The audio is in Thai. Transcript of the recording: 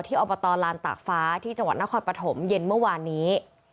อบตลานตากฟ้าที่จังหวัดนครปฐมเย็นเมื่อวานนี้